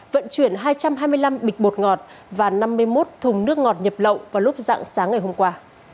vận chuyển hai trăm hai mươi năm bịch bột ngọt và năm mươi một thùng nước ngọt nhập lậu vào lúc dạng sáng ngày hôm qua